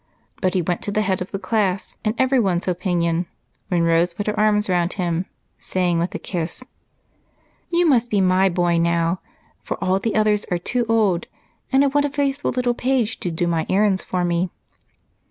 But he went to the head of the class in everyone's opinion when Rose put her arms around him, saying, with a kiss, "You must be my boy now, for all the others are too old, and I want a faithful little page to do my errands for me."